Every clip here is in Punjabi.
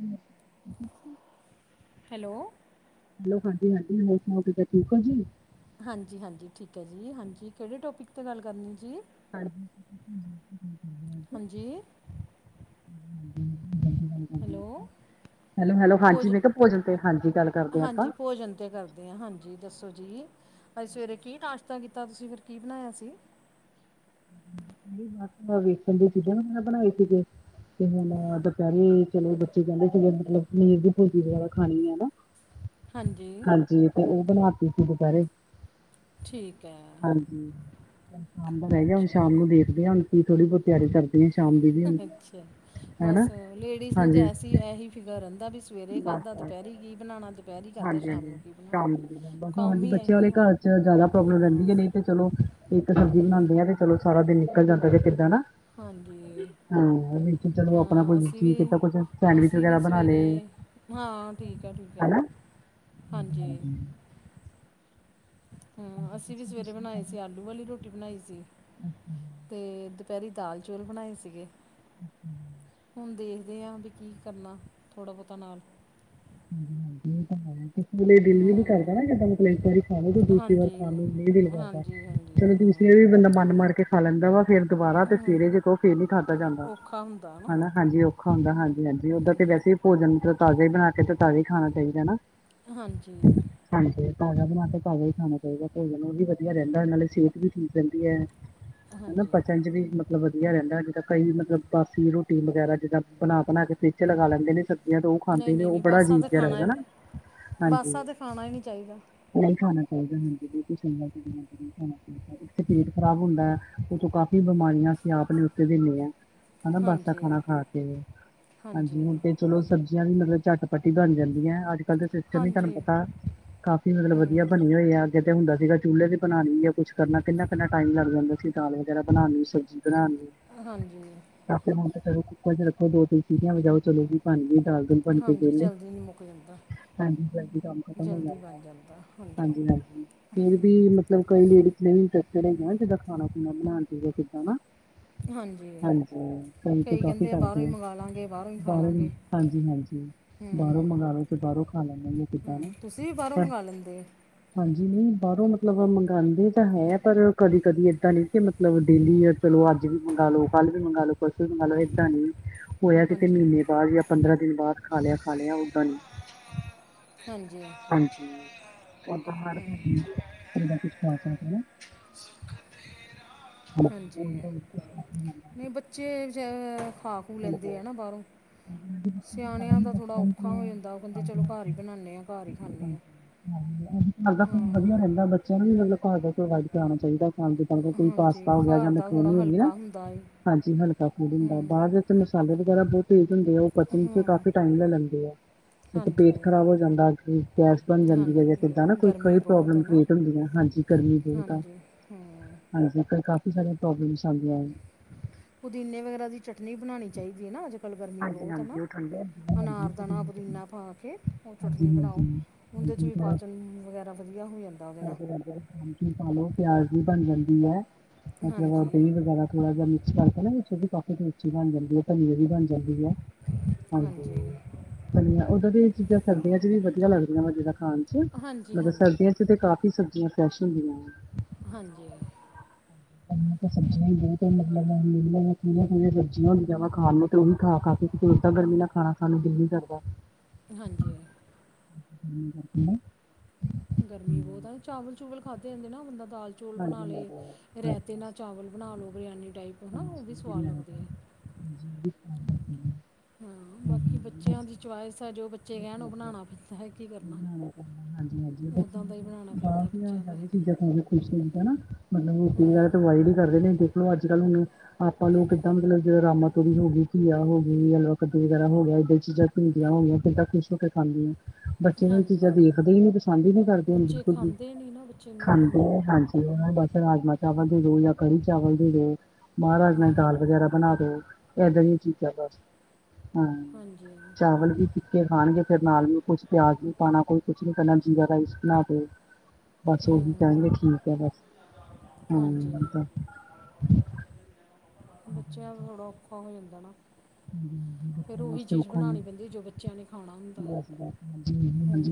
ਹੂੰ ਹੈਲੋ ਹੈਲੋ ਹਾਂਜੀ, ਹਾਂਜੀ ਹੋਰ ਸੁਣਾਓ ਤੁਸੀਂ ਠੀਕ ਹੋ ਜੀ। ਹਾਂਜੀ, ਹਾਂਜੀ ਠੀਕ ਹੈ ਜੀ ਹਾਂਜੀ ਕਿਹੜੇ ਟੋਪਿਕ 'ਤੇ ਗੱਲ ਕਰਨੀ ਜੀ। ਹਾਂਜੀ [unintelligible] ਬਿਲਕੁਲ ਹਾਂਜੀ ਹੈਲੋ [unintelligible] ਹੈਲੋ, ਹੈਲੋ, ਹਾਂਜੀ ਭੋਜ ਮੇਂ ਕਿਹਾ ਭੋਜਨ ਤੇ ਹਾਂਜੀ ਗੱਲ ਕਰਦੇ ਹਾਂ ਆਪਾਂ ਹਾਂਜੀ ਭੋਜਨ ਤੇ ਗਲ਼ ਹਾਂਜੀ ਦੱਸੋ ਜੀ, ਅਜ ਸਵੇਰੇ ਕੀ ਨਾਸ਼ਤਾ ਕੀਤਾ ਤੁਸੀਂ ਫਿਰ ਕੀ ਬਣਾਇਆ ਸੀ। ਨਹੀਂ ਬਸ ਵੇਖਣ ਦੀ ਚੀਜ਼ਾਂ [unintelligible] ਬਣਾਏ ਸੀਗੇ। ਤੇ ਹੁਣ ਦੂਪੇਰੈ ਚਲੋ ਬੱਚੇ ਕਹਿੰਦੇ ਕਿ ਮਤਲਬ ਪਨੀਰ ਦੀ ਭੂਜੀ ਵਗੈਰਾ ਖਾਣੀ ਹੈ ਨਾ। ਹਾਂਜੀ ਹਾਂਜੀ ਤੇ ਉਹ ਬਣਾਤੀ ਸੀ। ਦੁਪਹਿਰੇ ਠੀਕ ਹੈ ਹਾਂਜੀ, ਹੁਣ ਸ਼ਾਮ ਦਾ ਰਹਿ ਗਿਆ ਹੁਣ ਅੱਛਾ ਸ਼ਾਮ ਜੀ ਨੂੰ ਦੇਖ ਹਣ ਕੀ ਥੋੜੀ ਬਹੁਤ ਤਿਆਰੀ ਕਰਲੀ ਸ਼ਾਮ ਦੀ ਵੀ ਹੁਣ। ਅੱਛਾ, ਹਨਾ ਬਸ ਲੇਡੀਜ਼ ਨੂੰ ਤਾਂ ਹਾਂਜੀ ਐਸੀ ਇਹੀ ਫਿਕਰ ਰਹਿੰਦਾ ਵੀ ਸਵੇਰੇ ਖਾਧਾ ਦੁਪਹਿਰੀ ਕੀ ਬਣਾਉਣਾ ਤੇ ਹਾਂਜੀ-ਹਾਂਜੀ ਸ਼ਾਮ ਕੰਮ ਹਾਂਜੀ ਹੀ ਬੱਚਿਆਂ ਇਹੀ ਵਾਲੇ ਹੈ ਨਾ ਘਰ ਚ ਜਾਦਾ ਪ੍ਰੋਬਲਮ ਹਾਂ ਰੈਂਦੀ ਐ ਨਈ ਤੇ ਚਲੋ ਇੱਕ ਸਬਜ਼ੀ ਬਣਾਉਂਦੀਆਂ ਤੇ ਹੂੰ ਚਲੋ ਸਾਰਾ ਦਿਨ ਨਿਕਲ ਜਾਂਦਾ ਜਾਂ ਕਿਦਾਂ ਨਾ ਹਾਂਜੀ ਹੂੰ, ਵਿੱਚ ਚਲੋ ਆਪਣਾ ਹਾਂ ਕੁਛ ਅਸੀਂ ਜੀ ਵੀ ਕੀਤਾ ਕੁਛ ਸੈਂਡਵਿਚ ਅਸੀਂ ਵਗੈਰਾ ਵੀ ਬਣਾ ਲਏ। ਸਵੇਰੇ ਹਾਂ ਠੀਕ ਐ ਠੀਕ ਐ ਹਨਾ ਹਾਂਜੀ। ਹੂੰ, ਅਸੀਂ ਵੀ ਸਵੇਰੇ ਬਣਾਏ ਸੀ ਆਲੂ ਵਾਲੀ ਰੋਟੀ ਬਣਾਈ ਸੀ। ਤੇ ਦੁਪਹਿਰੀ ਦਾਲ ਚੌਲ ਬਣਾਏ ਸੀਗੇ, ਹੁਣ ਦੇਖਦੇ ਆ ਵੀ ਕੀ ਕਰਨਾ, ਥੋੜ੍ਹਾ ਬਹੁਤਾ ਨਾਲ ਹਾਂਜੀ, ਹਾਂਜੀ ਇਹ ਤਾਂ ਬਹੁਤੇ ਮਤਲਬ [unintelligible] ਦਿਲ ਵੀ ਕਰਦਾ ਹੂੰ ਨਾ ਜਦੋਂ ਮਤਲਬ ਇੱਕ ਵਾਰੀ ਖਾਲੋ ਤੇ ਦੂਸਰੀ ਵਾਰੀ ਹਾਂਜੀ ਖਾਣ ਨੂੰ ਨਹੀਂ ਦਿਲ ਕਰਦਾ ਹਾਂਜੀ ਹਾਂਜੀ ਚਲੋ ਦੁਸੀ ਵਾਰੀ ਹਾਂ ਵੀ ਬੰਦਾ ਮਨ ਮਾਰ ਕੇ ਖਾ ਲੈਂਦਾ ਵਾ ਫੇਰ ਦੁਬਾਰਾ ਤੇ ਸਵੇਰੇ ਜੇ ਕਹੋ ਫੇਰ ਨੀ ਖਾਧਾ ਜਾਂਦਾ, ਔਖਾ ਹੁੰਦਾ ਨਾ ਹਨਾ ਹਾਂਜੀ ਓ ਖਾਦਾਂ ਹਾਂਜੀ ਹਾਂਜੀ ਓਦਾਂ ਤੇ ਵੈਸੇ ਭੋਜਨ ਤਾਜ਼ਾ ਹੀ ਬਣਾ ਕੇ ਤੇ ਤਾਜ਼ਾ ਹੀ ਖਾਣਾ ਚਾਹੀਦਾ ਨਾ ਹਾਂਜੀ ਹਾਂਜੀ ਤਾਜ਼ਾ ਬਣਾ ਕੇ ਤਾਜ਼ਾ ਹੀ ਖਾਣਾ। [unintelligible] ਨ ਉਹ ਵੀ ਵਧੀਆ ਰਹਿੰਦਾ ਨਾਲੇ ਸਿਹਤ ਵੀ ਠੀਕ ਰਹਿੰਦੀ ਹੈ।, ਹਨਾ ਹਾਂਜੀ ਪਚਣ 'ਚ ਵੀ ਮਤਲ ਵਧੀਆ ਰਹਿੰਦਾ ਜਿੱਦਾ ਕਈ ਮਤਲਬ ਬਾਸੀ ਰੋਟੀ ਵਗੈਰਾ ਜਿੱਦਾਂ ਬਣਾ ਬਣਾ ਕੇ ਫ੍ਰਿਜ ਲਗਾ ਲੈਂਦੇ ਨੇ ਯਾਂ ਤਾਂ ਉਹ ਨਹੀਂ ਖਾਂਦੇ ਨੇ ਨਹੀਂ ਉਹ ਨਹੀਂ ਬੜਾ ਬਾਸਾ ਅਜੀਬ ਤੇ ਜਿਹਾ ਖਾਣਾ ਲੱਗਦਾ ਏ, ਨਾ ਹਾਂਜੀ ਬਾਸਾ ਤੇ ਖਾਣਾ ਹੀ ਨਹੀਂ ਚਾਹੀਦਾ। ਨਹੀਂ ਖਾਣਾ ਚਾਹੀਦਾ ਹਾਂਜੀ ਬਿਲਕੁਲ ਸਹੀ ਗਲ [unintelligible] ਨਹੀਂ ਖਾਣਾ ਚਾਹੀਦਾ। ਤੇ ਪੇਟ ਖਰਾਬ ਹੁੰਦਾ ਹੈ, ਉਤੋ ਕਾਫ਼ੀ ਬਿਮਾਰੀਆਂ ਅਸੀਂ ਆਪਣੇ ਉੱਤੇ ਦਿੰਨੇ ਹਾਂ। ਹਨਾ ਬਾਸਾ ਹਾਂਜੀ ਖਾਣਾ ਖਾ ਕੇ, ਹਾਂਜੀ ਹੁਣ ਤੇ ਚਲੋ ਸਬਜ਼ੀਆਂ ਵੀ ਮਤਲਬ ਝੱਟ ਝੱਟੀ ਬਣ ਜਾਂਦੀ ਹੈ ਅੱਜ ਕੱਲ ਦਾ ਸਿਸਟਮ ਹੀ ਤੁਹਾਨੂੰ ਹਾਂਜੀ ਪਤਾ, ਕਾਫੀ ਮਤਲਬ ਵਧੀਆ ਹੂੰ ਬਣੇ ਹੋਏ ਆ ਅੱਗੇ ਤੇ ਹੁੰਦਾ ਸੀਗਾ ਚੁੱਲ੍ਹੇ ਤੇ ਬਣਾਉਣੀ ਆ ਕੁੱਛ ਕਰਨਾ ਕਿੰਨਾ-ਕਿੰਨਾ ਟਾਈਮ ਲੱਗ ਜਾਂਦਾ ਸੀ ਦਾਲ ਵਗੈਰਾ ਬਣਾਣ ਨੂੰ ਸਬਜ਼ੀ ਬਣਾਣ ਨੂੰ ਹਾਂਜੀ ਕਾਫੀ ਹੁਣ ਤੇ ਚਲੋ ਕੁੱਕਰ 'ਚ ਰੱਖੋ ਦੋ ਤਿੰਨ ਸੀਟੀਆਂ ਵਜਾਓ ਚਲੋ ਜੀ ਬਣਗੀ ਦਾਲ ਦੂਲ ਬਣ ਕੇ ਹਾਂਜੀ ਵਿਹਲੇ ਜਲਦੀ ਹੀ ਮੁੱਕ ਜਾਂਦਾ। ਹਾਂਜੀ ਜਲਦੀ ਕੰਮ ਖਤਮ ਹੋ ਜਾਂਦਾ ਹਾਂਜੀ, ਹਾਂਜੀ, ਫਿਰ ਵੀ ਮ ਮਤਲਬ [unintelligible] ਕਈ ਲੇਡੀਜ਼ ਵੀ ਇੰਨਟਸਟਡ ਹੈ ਜਿੱਦਾਂ ਖਾਣਾ ਖੁਣਾ ਬਣਾਉਂਦੀਆਂ ਕਿੱਦਾਂ ਨਾ ਹਾਂਜੀ, ਕਈ ਤੇ ਕਾਫੀ ਕਹਿੰਦੇ ਆ ਬਾਹਰੋਂ ਹੀ ਕਰਦੇ, ਮੰਗਾ ਲਾਂਗੇ ਬਾਹਰੋਂ ਹੀ ਖਾ ਬਾਹਰੋ, ਲਾਂਗੇ ਹਾਂਜੀ ਹਾਂਜੀ ਹੂੰ ਬਾਹਰੋਂ ਮੰਗਾ ਲੋ ਤੇ ਬਾਹਰੋਂ ਖਾ ਲੈਦੇ ਕਿੱਦਾਂ ਨੇ ਹੂੰ ਤੁਸੀਂ ਵੀ ਬਾਹਰੋਂ ਪ ਮੰਗਾ ਲੈਂਦੇ ਹਾਂਜੀ, ਨਹੀਂ ਬਾਹਰੋਂ ਮਤਲਬ ਮੰਗਾਂਦੇ ਤਾਂ ਹੈ, ਪਰ ਕਦੀ ਕਦੀ ਏਦਾਂ ਨਹੀਂ ਕਿ ਮਤਲਬ ਡੇਲੀ ਯਾ ਚਲੋਂ ਅੱਜ ਵੀ ਮੰਗਾ ਲੋ, ਕੱਲ ਵੀ ਮੰਗਾ ਲੋ, ਪਰਸੋਂ ਵੀ ਮੰਗਾ ਲੋ ਇਦਾਂ ਨੀ। ਹੋਇਆ ਕਿਤੇ ਹਾਂਜੀ ਮਹੀਨੇ ਬਾਅਦ ਜਾਂ ਪੰਦਰਾਂ ਦਿਨ ਬਾਅਦ ਖਾ ਲਿਆ ਖਾ ਲਿਆ ਉਦਾਂ ਨੀ। ਹਾਂਜੀ ਹਾਂਜੀ, ਉਦਾਂ ਹਰ ਹੂੰ ਮਹੀਨੇ ਕੁਝ ਨਾ ਕੁਝ ਖਾ ਸਕਦੇ ਆ [unintelligible] ਜੇ ਜ ਖਾ [unintelligible] ਖੂ ਲੈਂਦੇ ਆ ਨਾ ਬਾਹਰੋਂ, ਹਾਂਜੀ, ਬੱਚੇ ਤਾਂ ਖਾ ਸਿਆਣਿਆਂ ਲੈਂਦੇ ਦਾ ਥੋੜਾ ਬੱਚਿਆਂ ਨੂੰ ਔਖਾ ਤੇ ਹੋ ਜਾਂਦਾ, ਉਹ ਕਹਿੰਦੇ ਹਾਂਜੀ ਚਲੋਂ ਘਰ ਈ ਨੇ ਆ ਘਰ ਹੀ ਖਾਨੇ ਆ ਹੂੰ ਘਰ ਦਾ ਖਾਣਾ ਵਧੀਆ ਹਾਂ ਰਹਿੰਦਾ, ਬੱਚਿਆਂ ਨੂੰ ਵੀ ਮਤਲਬ ਘਰ ਦਾ ਪ੍ਰੋਵਾਈਡ ਕਰਾਣਾ ਚਾਹੀਦਾ। ਹਾਂਜੀ, ਕੋਈ [unintelligible] ਹਾਂਜੀ ਪਾਸਤਾ ਹੋ ਗਿਆ ਜਾਂ ਘਰ ਦਾ ਥੋੜਾ ਮਕਰੋਨੀ ਹੋ ਗੀ ਨਾ, ਹਲਕਾ ਹੁੰਦਾ ਏ ਹਾਂਜੀ ਹਲਕਾ ਫੂਡ ਹੁੰਦਾ, ਬਾਹਰ ਦਾ ਹੂੰ ਚ ਮਸਾਲੇ ਵਗੈਰਾ ਬਹੁਤ ਤੇਜ਼ ਹੁੰਦੇ ਆ, ਉਹ ਪਚਣ ਚ ਹੂੰ ਕਾਫੀ ਟਾਈਮ ਲੈ ਲੈਂਦੇ ਆ, ਤੇ ਪੇਟ ਹਾਂਜੀ ਖ਼ਰਾਬ ਹੋ ਜਾਂਦਾ। ਗੈਸ ਬਣ ਜਾਂਦੀ ਐ, ਹਾਂਜੀ ਜਾਂ ਕਿੱਦਾਂ ਨਾ ਕੋਈ ਗਰਮੀ ਕਈ ਬਹੁਤ ਹੈ ਪ੍ਰੋਬਲਮ ਨਾ ਕ੍ਰੀਏਟ ਹੁੰਦੀ ਐ, ਹਾਂਜੀ ਗਰਮੀ ਬਹੁਤ ਆ। ਹਾਂਜੀ ਹਾਂ ਹਾਂਜੀ, ਕਾਫੀ ਸਾਰੀਆਂ ਪ੍ਰੋਬਲਮਸ ਆਦੀਆਂ ਪੁਦੀਨੇ ਵਗੈਰਾ ਦੀ ਚਟਨੀ ਬਣਾਉਣੀ ਚਾਹੀਦੀ ਐ ਨਾ, ਅੱਜ ਕੱਲ ਗਰਮੀ ਹਾਂਜੀ ਬਹੁਤ ਐ ਨਾ, ਹਾਂਜੀ ਉਹ ਠੰਡੇ ਹੁੰਦੇ ਆ ਹਾਂਜੀ ਅਨਾਰਦਾਣਾ ਹਾਂਜੀ ਪੁਦੀਨਾ ਪਾ ਕੇ, ਉਹ ਹਾਂਜੀ ਚਟਨੀ ਬਣਾਓ। ਹਾਂਜੀ ਉਹਦੇ ਚ ਹਾਂਜੀ ਵੀ ਥੋੜਾ ਪਾਚਨ ਵਗੈਰਾ ਵਧੀਆ ਹੋ ਜਾਂਦਾ ਉਹਦੇ ਨਾਲ ਅੰਬਚੂਰ ਲੋ ਪਿਆਜ ਵੀ ਬਣ ਜਾਂਦੀ ਐ, ਮਤਲਬ ਹਾਂਜੀ ਦਹੀਂ ਵਗੈਰਾ ਥੋੜਾ ਜਿਹਾ ਮਿਕਸ ਕਰਦਾ ਨਾ ਛੋ ਕਕੇ ਮੀ ਬਣ ਜਾਂਦੀ ਹੈ ਤਾਂ ਬਣ ਦੀ ਹੈ ਹਾਂਜੀ ਉਦਾਂ ਦੀਆ ਚੀਜ਼ਾਂ ਸਰਦੀਆਂ ਚ ਵਧੀਆ ਲੱਗਦੀਆਂ ਵਾ ਜਦਾ ਖਾਣ ਚ। ਹਾਂਜੀ ਮਤਬ ਹਾਂਜੀ ਸਰਦੀਆਂ ਚ ਤੇ ਕਾਫੀ ਸਬਜ਼ੀਆਂ ਫਰੈਸ਼ ਹੁੰਦੀਆਂ ਹਾਂਜੀ। ਪ ਤਾਂ [unintelligible] ਸਬਜ਼ੀਆਂ ਵੀ ਬਹੁਤ ਮਤਲਬ ਮਿਲਦੀ ਹੀਆਂ ਕਿਹੜੀਆਂ ਕਿਹੜੀਆਂ ਸਬਜ਼ੀਆਂ ਹੁੰਦੀਆਂ ਵਾ ਖਾਣ ਨੂੰ ਤੇ ਉਹ ਹੀ ਖਾ ਖਾ ਕੇ, ਗਰਮੀ ਨਾਲ ਖਾਣਾ ਸਾਨੂੰ ਦਿਲ ਨੀ ਕਰਦਾ ਹਾਂਜੀ [inaudible] ਗਰਮੀ ਬਹੁਤ ਹਮ, ਐ, ਚਾਵਲ ਚੂਵਲ ਖਾਧੇ ਜਾਂਦੇ ਨਾ, ਬੰਦਾ ਦਾਲ ਚੌਲ ਹਾਂਜੀ ਬਣਾ ਲਏ, ਹਾਂਜੀ ਰਾਇਤੇ ਨਾਲ ਹਾਂਜੀ। ਚਾਵਲ ਬਣਾ ਲੋ ਬਰਿਆਨੀ ਟਾਈਪ ਹੈਨਾ, ਉਹ ਵੀ ਹਾਂਜੀ ਸਵਾਦ ਬਿਰਿਆਨੀ ਦਾ ਲੱਗਦੇ ਐ। [unintelligible] ਹੂੰ। ਬਾਕੀ ਬੱਚਿਆਂ ਦੀ ਚੁਆਇਸ ਐ, ਜੋ ਬੱਚੇ ਕਹਿਣ ਉਹ ਹੈ ਬਣਾਣਾ ਪੈਂਦਾ ਐ, ਕੀ ਕਰਨਾ। ਚੀਾਂ ਖਸ਼ ਉਦਾਂ ਦਾ ਹੀ ਬਣਾਉਣਾ ਹਦਾ ਪੈਂਦਾ ਬੱਚਿਆਂ ਦਾ ਹਨਾ ਮਤਲਬ ਹੂੰ ਠਈ [unintelligible] ਕਰਦੇ ਨੇ ਦੇਖਲੋ, ਅੱਜ ਕੱਲ੍ਹ ਹੁਣ ਆਪਾਂ ਲੋਕ ਕਿੱਦਾਂ ਮਤਲਬ ਜਿਹੜਾ ਰਾਮਾ ਤੋੜੀ ਹੋ ਗਈ ਘੀਆ ਹੋ ਲਵਾ ਕੱਦੂ ਵਗੈਰਾ ਹੋ ਗਿਆ, ਏਦਾਂ ਚੀਜ਼ਾਂ ਭਿੰਡੀਆਂ ਹੋਣਗੀਆਂ ਫੇ ਤਾ ਖੁਸ਼ ਹੋ ਕੇ ਖਾਂਦੀਆਂ ਬੱਚੇ ਨੂੰ ਇਹ ਹਾਂਜੀ ਚੀਜ਼ਾਂ ਦੇਖਦੇ ਹੀ ਨਹੀਂ, ਪਸੰਦ ਹੀ ਨਹੀਂ ਕਰਦੇ ਹੁਣ ਬੱਚੇ ਬਿਲਕੁਲ ਵੀ। ਖਾਂਦੇ ਨਹੀਂ ਨਾ ਬੱਚੇ ਨਹੀਂ ਖਾਂਦੇ ਆ ਹਾਂਜੀ, ਉਹ ਬਸ ਰਾਜਮਾਂ ਚਾਵਲ ਦੇ ਦੋ ਜਾਂ ਕੜੀ ਚਾਵਲ ਦੇ ਦੋ। ਮਾਂ ਰਾਜਮਾ ਦੀ ਦਾਲ ਹਾਂ ਵਗੈਰਾ ਬਣਾ ਦੋ, ਏਦਾਂ ਦੀਆਂ ਚੀਜ਼ਾਂ ਬਸ। ਹਾਂ, ਹਾਂਜੀ ਚਾਵਲ ਵੀ ਕੇ ਖਾਣਗੇ ਫੇਰ ਨਾਲ ਵੀ ਕੁਛ ਪਿਆਜ ਨੀ ਪਾਣਾ, ਕੋਈ ਕੁਛ ਨੀ ਕਰਣਾ, ਜੀਰਾ ਰਾਈਸ ਬਣਾ ਦੋ। ਬਸ ਉਹੀ ਹੂੰ ਕਹਿਣਗੇ, ਠੀਕ ਆ ਬਸ, ਹਾਂਜੀ ਹੂੰ ਤੇ ਬੱਚਿਆਂ ਦਾ ਥੋੜ੍ਹਾ ਔਖਾ ਹੋ ਜਾਂਦਾ ਨਾ। [unintelligible] [unintelligible] ਫਿਰ ਉਹੀ ਚੀਜ਼ ਬਣਾਉਣੀ ਪੈਂਦੀ ਜੋ ਬੱਚਿਆਂ ਨੇ ਖਾਣਾ ਹੁੰਦਾ ਹੂੰ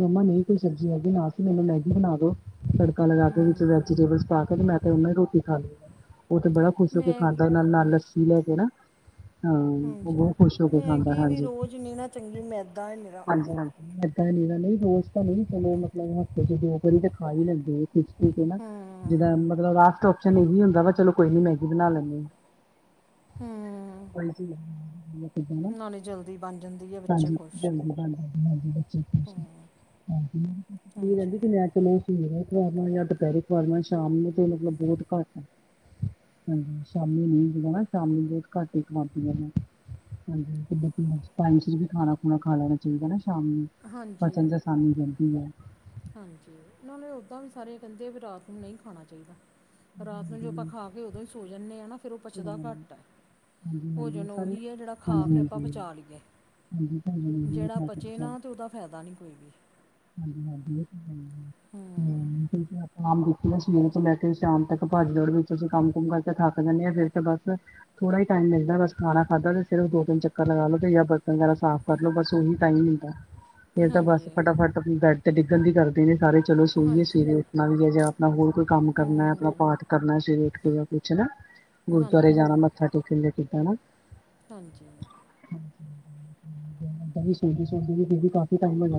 ਮੰਮਾ ਨਹੀਂ ਕੋਈ ਸਬਜ਼ੀ ਹੈਗੀ ਨਾਲ ਫੇਰ ਮੈਨੂੰ ਮੈਗੀ ਬਣਾ ਦੋ ਤੜਕਾ ਲਗਾ ਕੇ ਵਿੱਚ ਵੇ ਹੂੰ ਜੀਟੇਬਲਸ ਪਾ ਕੇ, ਮੈਂ ਤਾਂ ਓਦੇ ਨਾਲ ਈ ਰੋਟੀ ਖਾ ਲੁਗਾ, ਉਹ ਤੇ ਬੜਾ ਖੁਸ਼ ਹੋ ਕੇ ਮੈਗੀ ਖਾਂਦਾ ਆ, ਨਾਲ ਲੱਸੀ ਲੈ ਕੇ ਕੇ ਨਾ ਹਾਂ, ਉਹ ਹਾਂਜੀ ਬਹੁਤ ਖ਼ੁਸ਼ ਹੋ ਕੇ ਖਾਂਦਾ, ਮੈਗੀ ਵੀ ਹਾਂਜੀ, ਰੋਜ਼ ਨਹੀਂ ਨਾ ਚੰਗੀ ਮੈਦਾ ਹੈ ਮੇਰਾ ਹਾਂਜੀ, ਹਾਂਜੀ। ਇਏਦਾਂ ਨੀ ਨਹੀਂ ਰੋਜ਼ ਤਾਂ ਨਹੀਂ ਚਲੋਂ ਮਤਲਬ ਹਫ਼ਤੇ ਚ ਦੋ ਕੇ ਵਾਰੀ ਤੇ ਖਾ ਹੀ ਲੈਂਦੇ ਐ। ਠੀਕ-ਠੀਕ ਐ ਨਾ, ਹੂੰ ਜਿੱਦਾਂ ਮਤਲਬ ਲਾਸਟ ਓਪਸ਼ਨ ਇਹੀ ਹੁੰਦਾ ਵਾ ਚਲੋ ਕੋਈ ਨੀ ਮੈਗੀ ਬਣਾ ਲੈਂਦੇ। ਹੁੰ। ਕੋਈ ਚ ਨਾਲੇ ਜਲਦੀ ਬਣ ਬਣ ਜਾਂਦੀ ਐ। ਹਾਂਜੀ, ਜਲਦੀ ਬਣ [unintelligible] ਹਾਂਜੀ, [unintelligible] ਹਾਂਜੀ ਸਵੇਰੇ ਕਰਨਾ ਜਾਂ ਦੁਪਹਿਰੇ ਕਰਨਾ ਸ਼ਾਮ ਨੂੰ ਤੇ ਮਤਲਬ ਬਹੁਤ ਘੱਟ ਹਾਂਜੀ, ਸ਼ਾਮੀ ਨੀ [unintelligible] ਸ਼ਾਮੀ ਬਹੁਤ ਘਾਟ ਹੀ ਖਾਵਾਂਦੀ ਹਾਂਜੀ, [unintelligible] ਟਾਈਮ ਚ ਵੀ ਖਾਣਾ ਖੁਣਾ ਖਾ ਲੈਣਾ ਚਾਹੀਦਾ ਨਾ ਸ਼ਾਮ ਨੂੰ। ਹਾਂਜੀ [unintelligible] ਹਾਂਜੀ, ਨਾਲੇ ਓਦਾਂ ਵੀ ਸਾਰੇ ਕਹਿੰਦੇ ਵੀ ਰਾਤ ਨੂੰ ਨਹੀਂ ਖਾਣਾ ਚਾਹੀਦਾ। ਰਾਤ ਨੂੰ ਹਾਂਜੀ ਜੋ ਆਪਾਂ ਮੈਂ ਖਾ ਕੇ ਉਦੋਂ ਹੀ ਸੋ ਜਾਂਦੇ ਹਾਂ ਨਾ ਫੇਰ ਉਹ ਸੋ ਪਚਦਾ ਜਾਂਦੀ ਘੱਟ ਐ। ਹਾਂਜੀ ਹਾਂਜੀ ਭੋਜਨ ਸਾਰੇ ਉਹੀ ਐ ਜਿਹੜਾ ਖਾ ਕੇ ਆਪਾਂ ਪਚਾ ਲਈਏ। ਹਾਂਜੀ-ਹਾਂਜੀ। ਜਿਹੜਾ ਪਚੇ ਨਾ ਤਾਂ ਉਹਦਾ ਫਾਇਦਾ ਨਹੀਂ ਕੋਈ ਵੀ। ਹਾਂਜੀ-ਹਾਂਜੀ ਹੂੰ [unintelligible] ਸਵੇਰੇ ਤੋ ਲੈ ਕੇ ਸ਼ਾਮ ਤੱਕ ਪਾਜ ਦੋੜ ਵਿੱਚ ਅਸੀਂ ਕੰਮ ਕੁਮ ਕਰਕੇ ਥੱਕ ਜਾਂਦੇ ਹਾਂ ਫੇਰ ਤੇ ਬਸ ਥਿੜਾ ਹੀ ਟਾਈਮ ਮਿਲਦਾ ਬਸ ਖਾਣਾ ਖਾਧਾ ਤੇ ਸਿਰਫ਼ ਦੋ ਤਿੰਨ ਚੱਕ ਲਗਾ ਲੋ ਜਾਂ ਕਮਰਾ ਸਾਫ਼ ਕਰਲੋ ਬਸ ਉਹੀ ਟਾਈਮ ਹੁੰਦਾ ਫੇਰ ਤਾਂ ਬਸ ਹਾਂਜੀ ਫਟਾਫਟ ਬੈਡ ਤੇ ਡਿੱਗਣ ਦੀ ਕਰ ਨੇ ਸਾਰੇ ਚਲੋ ਸੋਹੀਈਏ ਹਾਂਜੀ ਸਵੇਰੇ ਉੱਠਣਾ ਵੀ ਐ ਜਾਂ ਆਪਣਾ ਹੋਰ ਕੋਈ ਕੰਮ ਕਰਨਾ ਆਪਣਾ ਹੂੰ ਪਾਠ ਕਰਨਾ ਸਵੇਰੇ ਉੱਠ ਕੇ ਕੁਛ ਨਾ ਗੁਰਦੁਆਰੇ ਹਾਂਜੀ ਜਾਣਾ ਮੱਥਾ ਟੇਕਣ ਲਈ ਹਾਂਜੀ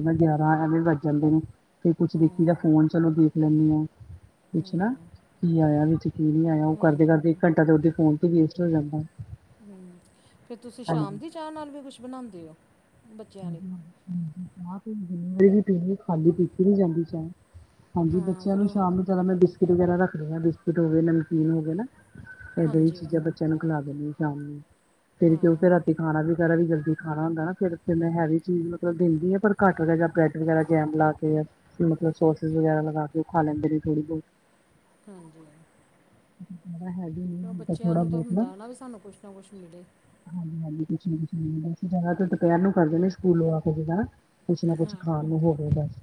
[unintelligible] [unintelligible] ਵੀ ਵੱਜ ਜਾਂਦੇ ਨੇ ਫ ਕੁਛ ਦੇਖੀ ਤਾਂ ਹੂੰ ਫੋਨ ਚਲੋ ਦੇਖ ਲੈਂਦੀ ਹਾਂ ਕੁਛ ਨਾ ਹੂੰ ਕੀ ਆਇਆ ਵਿੱਚ ਕੀ ਨਹੀਂ ਆਇਆ ਉਹ ਕਰਦੇ ਕਰਦੇ ਹਾਂਜੀ ਇੱਕ ਘੰਟਾ ਤੇ ਉਹਦੇ ਫੋਨ ਤੇ ਵੇਸਟ ਹੋ ਜਾਂਦਾ। ਫੇਰ ਤੁਸੀਂ ਸ਼ਾਮ ਹਾਂਜੀ ਦੀ ਚਾਹ ਨਾਲ ਵੀ ਕੁਝ ਬਣਾਂਦੇ ਹੋ? ਬੱਚਿਆਂ ਲਈ ਹਾਂਜੀ, ਹਾ ਚਾਹ ਤੇ ਜਿੰਨੀ ਵਾਰੀ ਵੀ ਪੀਣੀ ਖਾਲੀ ਪੀਤੀ ਨੀ ਜਾਂਦੀ ਚਾਹ। ਹਾਂਜੀ ਹਾਂ ਬੱਚਿਆਂ ਫਿਰ ਨੂੰ ਉਹ ਸ਼ਾਮ ਨੂੰ ਜ਼ਿਆਦਾ ਮੈਂ ਬਿਸਕੁਟ ਵਗੈਰਾ ਰੱਖਦੀ ਹਾਂ ਬਿਸਕਿਟ ਹੋਵੇ ਨਮਕੀਨ ਹੋਵੇ ਨਾ। ਇਦਾਂ ਹੀ ਹਾਂਜੀ ਚੀਜ਼ਾਂ ਬੱਚਿਆਂ ਨੂੰ ਖਿਲਾ ਦਿੰਣੀ ਆ ਸ਼ਾਮ ਨੂੰ ਫਰ ਹਾਂ ਕਿਉਂ ਫਿਰ ਰਾ ਖਾਣਾ ਵਗੈਰਾ ਵੀ ਜਲਦੀ ਖਾਣਾ ਹੁੰਦਾ ਨਾ ਫੇਰ ਤੇ ਮੈਂ ਹੈਵੀ ਚੀਜ਼ ਮਤਲਬ ਦਿੰਦੀ ਆਂ ਪਰ ਘੱਟ ਜਾਂ ਬ੍ਰੈਡ ਵਗੈਰਾ ਜੈਮ ਲਾ ਕੇ ਮਤਲਬ ਸੋਸ ਵਗੈਰਾ ਲਗਾ ਕੇ ਉਹ ਖਾ ਲੈਂਦੇ ਰ ਥੋੜ੍ਹੀ ਬਹੁਤ ਹਾਂਜੀ ਜਾਦਾ ਹੈਵੀ ਫਿਰ ਉਹ ਨੀ, ਬੱਚਿਆਂ ਥੋੜਾ ਨੂੰ ਤਾਂ ਬਹੁਤ ਨਾ ਹੁੰਦਾ ਵੀ ਸਾਨੂੰ ਕੁਝ ਨਾ ਕੁਝ ਮਿਲੇ ਹਾਂਜੀ-ਹਾਂਜੀ, ਕੁਛ ਨੀ ਕੁ ਨ ਜ਼ਿਆਦਾ ਦੁਪਹਿਰ ਨੂੰ ਕਰਦੇ ਨੇ ਸਕੂਲ ਆ ਕੇ ਜਿੰਦਾ ਨਾ। ਕੁਛ ਨਾ ਕੁਛ ਹਾਂ ਖਾਣ ਨੂੰ ਹੋਵੇ ਬਸ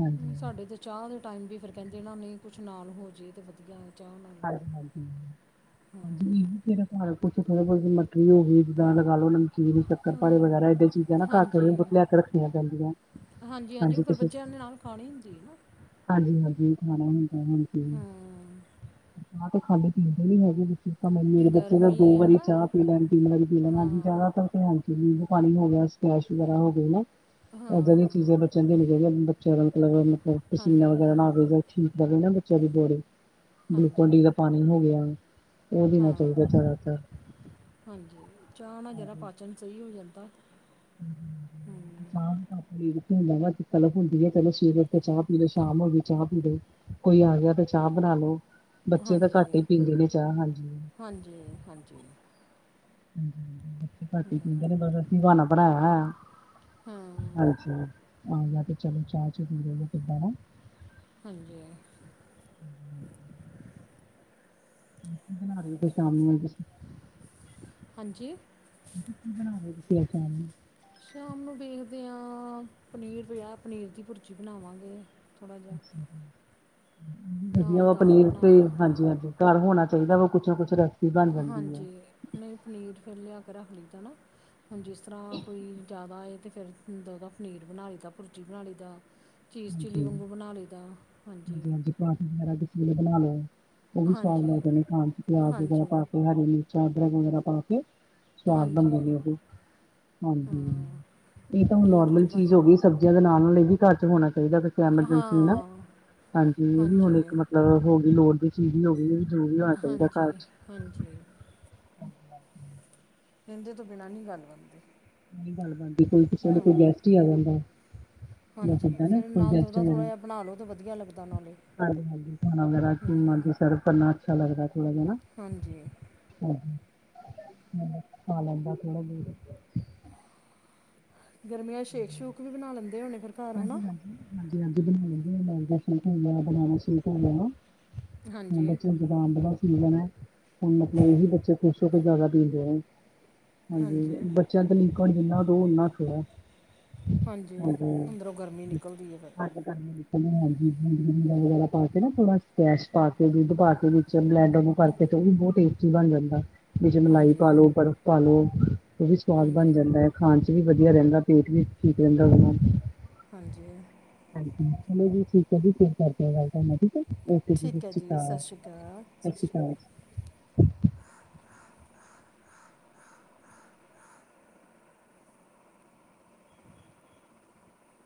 ਹਾਂਜੀ ਸਾਡੇ ਤਾਂ ਚਾਹ ਦੇ ਟਾਈਮ ਵੀ ਫੇਰ ਕਹਿੰਦੇ ਇਹ ਨਾ ਨਹੀਂ ਕੁਛ ਨਾਲ ਹੋ ਜੇ ਤੇ ਵਧੀਆ ਚਾਹ ਨਾਲ ਵੀ ਹਾਂਜੀ-ਹਾਂਜੀ ਹਾਂ। ਹਾਂਜੀ ਜਿਹੜਾ [unintelligible] ਮਟਰੀ ਹੋ ਗਈ। ਜਾਂ ਲਗਾ ਲਓ ਨਮਕੀਨ ਸੱਕਰ ਭਾਰੇ ਹਾਂ, ਵਗੈਰਾ ਏਦਾਂ ਚੀਜ਼ਾਂ ਨਾ ਘਰ ਹਾਂਜੀ ਲਿਆ ਕੇ ਰੱਖਣੀਆਂ ਪੈਂਦੀਆਂ। ਹਾਂਜੀ -ਹਾਂਜੀ ਉਹ ਫਿਰ ਬੱਚਿਆਂ ਦੇ ਨਾਲ ਖਾਣੀ ਹੁੰਦੀ ਨਾ। ਹਾਂਜੀ ਹਾਂਜੀ ਖਾਣਾ ਹੁੰਦਾ ਉਹਨਾਂ ਨੇ। ਹਾਂ ਆਹ ਤੇ ਖਾਲੀ ਦ ਪੀਂਦੇ ਲਈ ਹੈਗੇ। ਭਾਵੇਂ ਮੇਰੇ ਬੱਚੇ ਤਾਂ ਦੋ ਗਰਮੀ ਹੈ ਨਾ ਵਾਰੀ ਚਾਹ ਪੀ ਲੈਣ ਤਿੰਨ ਵਾਰੀ ਪੀ ਲੈਣ ਅੱਜ ਹਾਂ ਜ਼ਿਆਦਾਤਰ ਤੇ ਨਿੰਬੂ ਪਾਣੀ ਹੋ ਗਿਆ ਸਕੈਸ਼ ਵਗੈਰਾ ਹੋ ਗਈ ਨਾ। ਹਾਂ ਹਾਂ ਇੱਦਾਂ ਦੀਆਂ ਹਾਂ, ਚੀਜ਼ਾਂ ਬੱਚਿਆਂ ਨੂੰ ਦੇਣੀ ਚਾਹੀਦੀਆਂ ਬੱਚਿਆਂ ਦਾ ਮਤਲਬ -ਮਤਲਬ ਪਸੀਨਾ ਹਾਂਜੀ ਵਗੈਰਾ ਨਾ ਆਵੇ। ਠੀਕ ਲ ਨਾ ਬੱਚਿਆਂ ਦੀ ਬੋੜੀ ਗਲੂਕੋਨ ਡੀ ਹਾਂਜੀ ਦਾ ਪਾਣੀ ਹੋ ਗਿਆ। ਉਹ ਦੇਣਾ ਹਾਂ ਚਾਹੀਦਾ ਜ਼ਿਆਦਾਤਰ ਹਾਂਜੀ ਚਾਹ ਨਾ ਜਰਾ ਹਾਂਜੀ ਪਾਚਨ ਸਹੀ ਹੋ ਜਾਂਦਾ। [inaudible] ਚਾਹ ਦੀ ਤਾਂ [unintelligible] ਤਲਫ਼ ਹੁੰਦੀ ਹੈ ਕਹਿ ਲੇ ਸਵੇਰੇ ਉਠੋ ਚਾਹ ਪੀ ਲੋ ਸ਼ਾਮ ਹੋਵੇ ਚਾਹ ਪੀ ਲੋ। ਕੋਈ ਆ ਗਿਆ ਤਾਂ ਚਾਹ ਬਣਾ ਲੋੋ ਬੱਚੇ ਤਾਂ ਹਾਂਜੀ ਘੱਟ ਹੀ ਪੀਂਦੇ ਨੇ ਚਾਹ ਹਾਂਜੀ। ਹਾਂਜੀ- ਹਾਂਜੀ ਹਮ [unintelligible] ਹਾਂ [unintelligible] ਹਾਂਜੀ ਹਮ [unintelligible] ਹਾਂਜੀ ਮੈਂ ਕਯਾ ਕੀ ਬਣਾ ਰਹੇ ਤੁਸੀ ਆਜ ਸਾ਼ਮ ਨੂੰ [inaudible] ਸ਼ਾਮ ਨੂੰ ਵੇਖਦੇ ਹਾਂ ਪਨੀਰ ਪਿਆ ਪਨੀਰ ਦੀ ਭੁਰਜੀ ਬਣਾਵਾਂਗੇ। ਥੋੜ੍ਹਾ ਜਿਹਾ ਵਧੀਆ ਨਾਲ ਵਾ ਦਾਲ ਪਨੀਰ ਬਣਾ ਤੇ ਹਾਂਜੀ ਲਾਂਗੇ -ਹਾਂਜੀ ਘਰ ਹੋਣਾ ਚਾਹੀਦਾ ਵਾ ਕੁਛ ਨਾ ਕੁਛ ਰ ਹਾਂਜੀ ਨਹੀਂ ਪਨੀਰ ਫੇਰ ਲਿਆ ਕੇ ਰੱਖ ਲਈ ਦਾ ਨਾ। ਹਾਂਜੀ ਜਿਸ ਤਰ੍ਹਾਂ ਕੋਈ ਜ਼ਿਆਦਾ ਆਏ ਤੇ ਫੇਰ ਪਨੀਰ ਬਣਾ ਲਈ ਦਾ ਭੁਰਜੀ ਬਣਾ ਲਈ ਦਾ। ਚੀਜ਼ ਚਿਲੀ ਹਾਂਜੀ ਵਾਂਗੂ ਬਣਾ ਲਈ ਦਾ ਹਾਂਜੀ। ਵਗੈਰਾ ਕਿਸੇ ਵੇਲੇ ਬਣਾ ਲਿਆ ਉਹ ਵੀ ਸਵਾਦ ਹਾਂਜੀ ਜਾਂਦੇ ਖਾਣ 'ਚ ਪਿਆਜ ਵਗੈਰਾ ਹਾਂਜੀ ਪਾ ਕੇ ਹਰੀ ਮਿਰਚ ਚਾਦਰਾਂ ਵਗੈਰਾ ਪਾ ਕੇ ਸਵਾਦ ਬਣਦੇ ਹਾਂਜੀ ਨੇ ਉਹ ਵੀ ਹਾਂਜੀ ਹਾਂ ਇਹ ਤਾਂ ਹੁਣ ਨਿਊਟਰੀ ਨੋਰਮਲ ਚੀਜ਼ ਬਣ ਹੋ ਗਈ। ਸਬਜ਼ੀਆਂ ਦੇ ਨਾਲ‌- ਨਾਲ ਇਹ ਵੀ ਘਰ 'ਚ ਹੋਣਾ ਚਾਹੀਦਾ ਕਿਤੇ ਐਮਰਜੈਂਸੀ ਨਾ ਹਾਂ ਹਾਂਜੀ ਇਹ ਵੀ ਹੁਣ ਅ ਹੋ ਗਈ ਲੋੜ ਦੀ ਚੀਜ਼ ਹੀ ਹੋ ਗਈ। ਜ਼ਰੂਰੀ ਹੋਣਾ ਚਾਹੀਦਾ ਘਰ ਹਾਂਜੀ- ਚ ਹਾਂਜੀ [inaudible] ਐਂਦੇ ਤੋਂ ਬਿਨਾਂ ਨੀ ਗੱਲ ਬਣਦੀ। ਨੀ ਗੱਲ ਬਣਦੀ ਕੋਈ ਕਿਸੇ ਦੇ ਹਾਂ ਕੋਈ ਗੈਸਟ ਹੀ ਆ ਜਾਂਦਾ। ਜਾਂ ਹਾਂਜੀ ਕਿੱਦਾਂ ਨਾ ਫੇਰ ਕੋਈ ਨਾਲ ਗੈਸਟ ਦੁਦਾ ਥੋੜ੍ਹਾ ਵਗੈਰਾ ਜਿਹਾ ਬਣਾ ਲਉ ਤਾਂ ਵਧੀਆ ਲੱਗਦਾ ਨਾਲੇ। ਹਾਂਜੀ ਹਾਂਜੀ ਖਾਣਾ ਵਗੈਰਾ ਹੂੰ ਮਤਲਬ ਸਰਵ ਕਰਨਾ ਅੱਛਾ ਲੱਗਦਾ ਥੋੜਾ ਜਿਹਾ ਨਾ। ਹਾਂਜੀ [unintelligible] ਗਰਮੀਆਂ ਚ ਸੇ਼ਕ -ਸ਼ੂਕ ਵੀ, ਬਣਾ ਲੈਂਦੇ ਹੋਣੇ ਫੇਰ ਘਰ ਹੈਨਾ? ਹਾਂਜੀ ਹਾਂਜੀ ਹਾਂਜੀ -ਹਾਂਜੀ, ਬਣਾ ਲੇਂਦੇ ਐ, ਮੈਂਗੋ ਸੇ਼ਕ ਹੋ ਗਿਆ, ਬਨਾਨਾ ਸੇ਼ਕ ਹੋ ਗਿਆ ਹਾਂਜੀ ਬੱਚੇ ਨੂੰ ਜੁਕਾਮ ਦਾ [unintelligible] ਸੀਜ਼ਨ ਹੈ, ਹੁਣ ਮਤਲਬ, ਇਹੀ ਬੱਚੇ ਖੁਛ ਹੋ ਕੇ ਜ਼ਿਆਦਾ ਪੀਂਦੇ ਹਨ। ਹਾਂਜੀ ਬੱਚਿਆਂ ਨੂੰ ਤਾਂ ਲੀਕਵੇਡ ਜਿੰਨਾ ਦੋ, ਓਨਾ ਥੋੜ੍ਹਾ ਹਾਂਜੀ, ਅੰਦਰੋਂ ਗਰਮੀ ਨਿਕਲਦੀ ਹੈ ਫੇਰ। [inaudible] ਹਾਂਜੀ [unintelligible] ਵਗੈਰਾ ਪਾ ਕੇ ਨਾ ਥੋੜਾ ਕੈਸ਼ ਪਾ ਕੇ ਦੁੱਧ ਪਾ ਕੇ ਵਿੱਚ ਬਲੈਂਡਰ ਨੂੰ ਕਰਕੇ ਤੇ ਉਹ ਵੀ ਬਹੁਤ ਟੈਸਟੀ ਬਾਣ ਜਾਂਦਾ। ਵਿੱਚ ਮਲਾਈ ਹਾਂਜੀ ਪਾ ਲਉ, ਬਰਫ਼ ਪਾ ਲਓ, ਉਹ ਵੀ ਸਵਾਦ ਬਾਣ ਹਾਂਜੀ ਜਾਂਦਾ ਹੈ, ਖਾਣ ਚ ਵੀ ਵਧੀਆ ਰਹਿੰਦਾ। ਪੇਟ ਵੀ ਠੀਕ ਰਹਿੰਦਾ, ਉਹਦੇ ਨਾਲ। ਹਾਂਜੀ। ਹਾਂਜੀ ਚਲੋ ਜੀ, ਠੀਕ ਹੈ ਜੀ, ਫੇਰ ਕਰਦੇ ਆ ਗੱਲ ਤਾਡੇ ਨਾਲ ਠੀਕ ਹੈ? ਓਕੇ ਜੀ, ਸਤਿ ਠੀਕ ਹੈ ਸ੍ਰੀ ਸਤਿ ਅਕਾਲ, ਸ਼੍ਰੀ ਅਕਾਲ ਸਤਿ ਸ਼੍ਰੀ ਅਕਾਲ ਜੀ